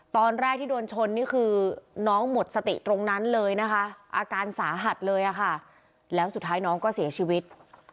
ตอนแรกที่โดนชนนี่คือน้องหมดสติตรงนั้นเลยนะคะอาการสาหัสเลยค่ะแล้วสุดท้ายน้องก็เสียชีวิต